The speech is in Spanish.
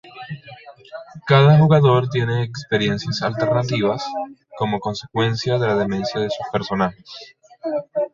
Cada jugador tiene experiencias alternativas como consecuencia de la demencia de sus personajes.